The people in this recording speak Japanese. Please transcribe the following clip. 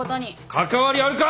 関わりあるか！